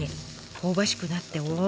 香ばしくなっておお！